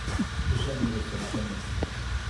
Jeanne ne le saura jamais.